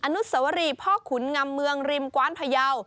นุสวรีพ่อขุนงำเมืองริมกว้านพยาว